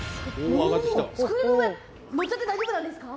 おお机の上乗っちゃって大丈夫なんですか？